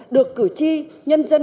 được cử tri nhân dân